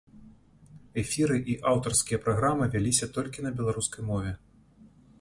Эфіры і аўтарскія праграмы вяліся толькі на беларускай мове.